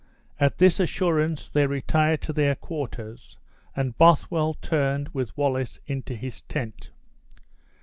At this assurance they retired to their quarters, and Bothwell turned with Wallace into his tent.